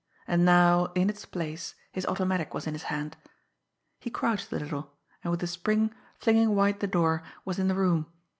And now, in its place, his automatic was in his hand. He crouched a little and with a spring, flinging wide the door, was in the room.